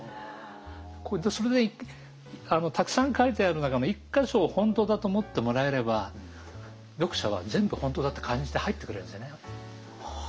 それでたくさん描いてある中の１か所を本当だと思ってもらえれば読者は全部本当だって感じて入ってくれるんですよね。